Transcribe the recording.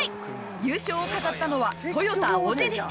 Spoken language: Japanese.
優勝を飾ったのはトヨタオジエでした。